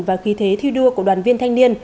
và khí thế thiêu đua của đoàn viên thanh niên